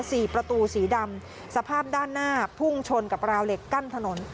สี่ประตูสีดำสภาพด้านหน้าพุ่งชนกับราวเหล็กกั้นถนน